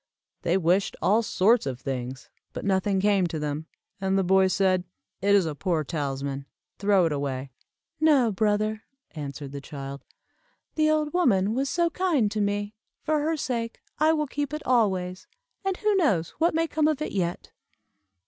They wished all sorts of things, but nothing came to them, and the boy said, "It is a poor talisman throw it away." "No, brother," answered the child; "the old woman was so kind to me, for her sake I will keep it always, and who knows what may come of it yet?"